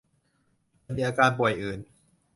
แต่มีอาการป่วยอื่น